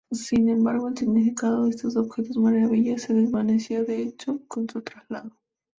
Sin embargo, el significado de esos objetos-maravilla se desvaneció, de hecho, con su traslado.